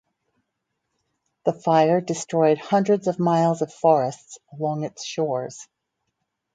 The fire destroyed hundreds of miles of forests along its shores.